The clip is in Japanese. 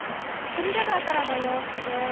隅田川からの様子です。